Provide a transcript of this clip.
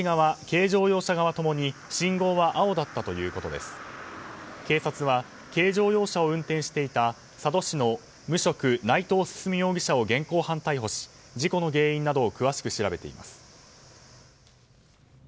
警察は軽乗用車を運転していた佐渡市の無職内藤進容疑者を現行犯逮捕し事故の原因などを詳しく調べています。